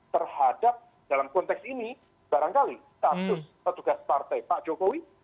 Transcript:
terhadap dalam konteks ini barangkali status petugas partai pak jokowi